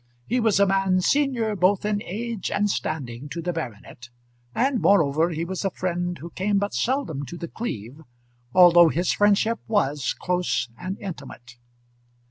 He was a man senior both in age and standing to the baronet; and, moreover, he was a friend who came but seldom to The Cleeve, although his friendship was close and intimate.